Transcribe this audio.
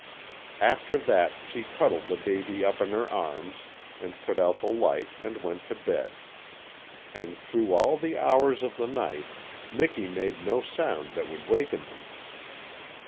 After that she cuddled the baby up in her arms, and put out the light, and went to bed; and through all the hours of the night Miki made no sound that would waken them.